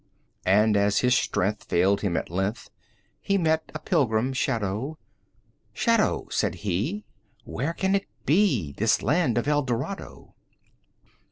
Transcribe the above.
And, as his strength Failed him at length, He met a pilgrim shadow: 15 "Shadow," said he, "Where can it be, This land of Eldorado?"